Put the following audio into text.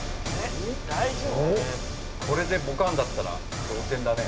これでボカンだったら同点だね。